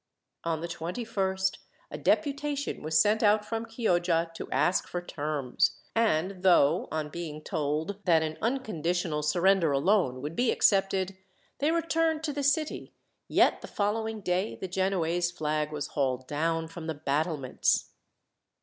On the 21st a deputation was sent out from Chioggia to ask for terms, and though, on being told that an unconditional surrender alone would be accepted, they returned to the city, yet the following day the Genoese flag was hauled down from the battlements.